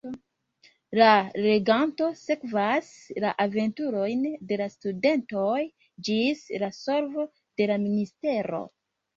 La leganto sekvas la aventurojn de la studentoj ĝis la solvo de la mistero.